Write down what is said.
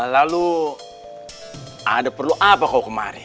lalu ada perlu apa kau kemari